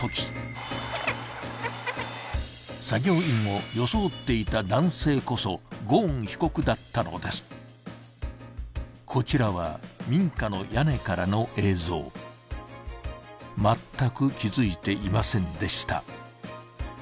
作業員を装っていた男性こそゴーン被告だったのですこちらは民家の屋根からの映像全く気づいていませんでした